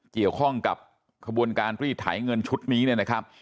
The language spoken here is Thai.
เกี่ยวข้องกับกระบวนการรีดถ่ายเงินชุดนี้นะครับ